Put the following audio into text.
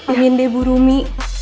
amin deh bu rumi